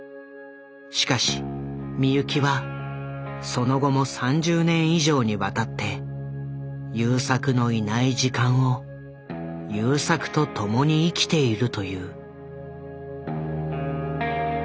しかし美由紀はその後も３０年以上にわたって優作のいない時間を優作と共に生きているという。